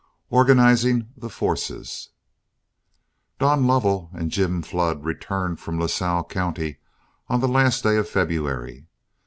ORGANIZING THE FORCES Don Lovell and Jim Flood returned from Lasalle County on the last day of February.